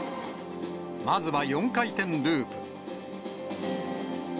まずは４回転ループ。